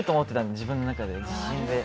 自分の中で、自信で。